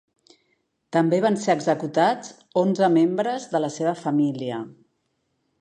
També van ser executats onze membres de la seva família.